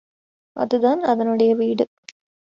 அதுதான் அதனுடைய வீடு.